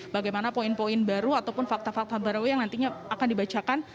bagaimana poin poin baru ataupun fakta fakta baru yang nantinya akan dibacakan